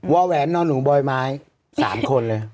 ว่อแหวนนอหนูบ่อใบไม้๓คนเลย